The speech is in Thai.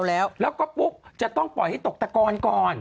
แล้วก็ปุ๊บจะต้องปล่อยให้ตกตะกอนก่อน